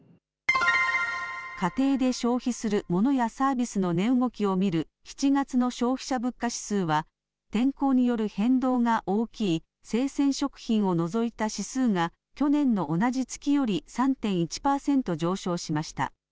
家庭で消費するモノやサービスの値動きを見る７月の消費者物価指数は天候による変動が大きい生鮮食品を除いた指数が去年の同じ月より３．１％上昇しました。